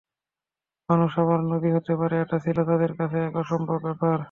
মানুষ আবার নবী হতে পারে, এটা ছিল তাদের কাছে এক অসম্ভব ব্যাপার।